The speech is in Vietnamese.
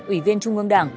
ủy viên trung ương đảng